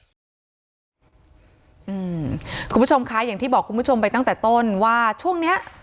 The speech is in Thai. คุณผู้ชมคะอย่างที่บอกคุณผู้ชมไปตั้งแต่ต้นว่าช่วงเนี้ย